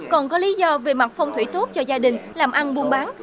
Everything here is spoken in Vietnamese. còn có lý do về mặt phong thủy tốt cho gia đình làm ăn buôn bán